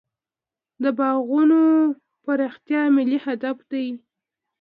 د باغونو پراختیا ملي هدف دی.